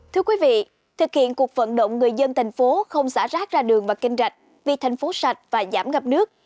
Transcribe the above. thưa quý vị thực hiện cuộc vận động người dân thành phố không xả rác ra đường và kênh rạch vì thành phố sạch và giảm ngập nước